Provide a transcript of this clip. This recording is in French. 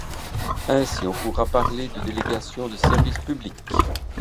Ainsi, on pourra parler de délégation de service public.